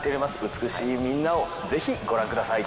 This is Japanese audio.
美しいみんなをぜひご覧ください。